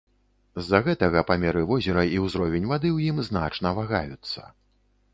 З-за гэтага памеры возера і ўзровень вады ў ім значна вагаюцца.